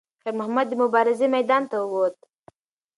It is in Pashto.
خیر محمد د مبارزې میدان ته وووت.